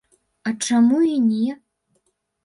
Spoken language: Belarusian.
А чаму і не?